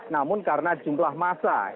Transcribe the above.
namun karena jumlah masalah